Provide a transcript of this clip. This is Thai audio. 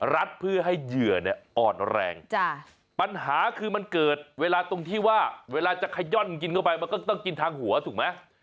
เพื่อให้เหยื่อเนี่ยอ่อนแรงปัญหาคือมันเกิดเวลาตรงที่ว่าเวลาจะขย่อนกินเข้าไปมันก็ต้องกินทางหัวถูกไหม